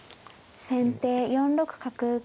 先手４六角。